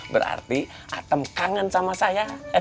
berarti atam kangen sama saya